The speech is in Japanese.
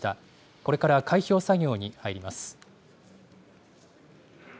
これから開票作業に入ります。